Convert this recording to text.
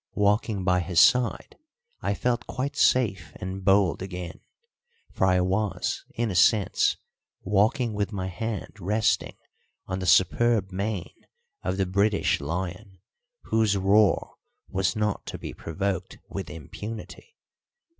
Walking by his side I felt quite safe and bold again, for I was, in a sense, walking with my hand resting on the superb mane of the British Lion, whose roar was not to be provoked with impunity.